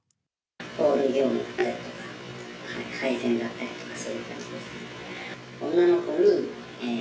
ホール業務だったりとか、配膳だったりとか、そういう感じです。